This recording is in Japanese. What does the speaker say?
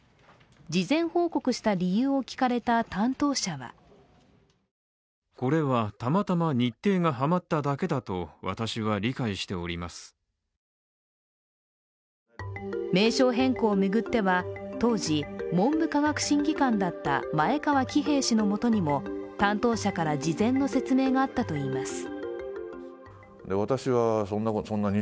事前報告した理由を聞かれた担当者は名称変更を巡っては当時、文部科学審議官だった前川喜平氏のもとにも担当者から事前の説明があったといいます。